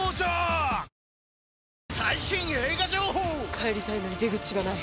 帰りたいのに出口がない。